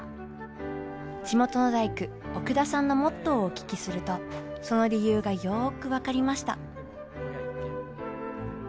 地元の大工奥田さんのモットーをお聞きするとその理由がよく分かりました。